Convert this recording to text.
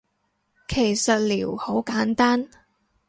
其實撩好簡單